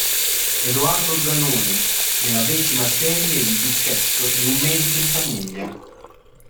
Edoardo Zanoni nella decima serie di successo "di Un medico in famiglia.